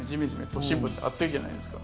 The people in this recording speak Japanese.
都市部って暑いじゃないですか。